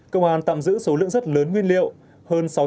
công an tạm giữ số lượng rất lớn nguyên liệu hơn